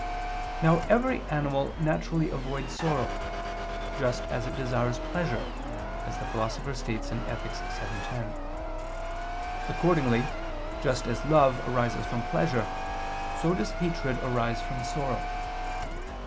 Now every animal naturally avoids sorrow, just as it desires pleasure, as the Philosopher states (Ethic. vii, x). Accordingly just as love arises from pleasure, so does hatred arise from sorrow.